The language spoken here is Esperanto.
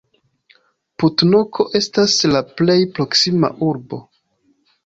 Putnok estas la plej proksima urbo.